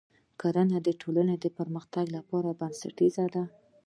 کرنه د ټولنې د پرمختګ لپاره بنسټیزه ده.